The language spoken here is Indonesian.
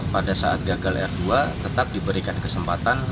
pada saat gagal r dua tetap diberikan kesempatan